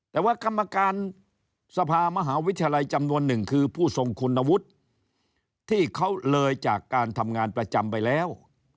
แต่ว่ากรรมการสภามหาวิทยาลัยจำนวนหนึ่งคือผู้ทรงคุณวุฒิที่เขาเลยจากการทำงานประจำไปแล้ว